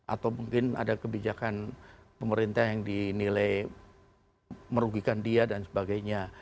atau mungkin ada kebijakan pemerintah yang dinilai merugikan dia dan sebagainya